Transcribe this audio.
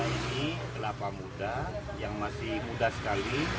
ini kelapa muda yang masih muda sekali